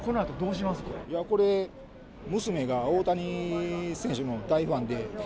これ、娘が大谷選手の大ファンで。